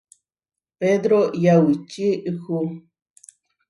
Pedró yaučíhu.